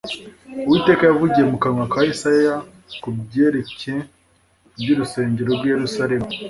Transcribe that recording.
Uwiteka yavugiye mu kanwa ka Yesaya ku byerekcye iby'urusengero rw'i Yerusalemu